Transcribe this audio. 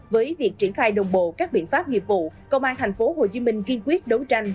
với việc triển khai đồng bộ các biện pháp nghiệp vụ công an tp hcm kiên quyết đấu tranh